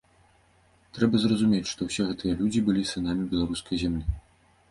Трэба разумець, што ўсе гэтыя людзі былі сынамі беларускай зямлі.